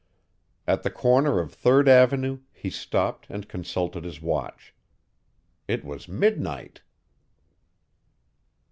At the corner of Third avenue he stopped and consulted his watch. It was midnight!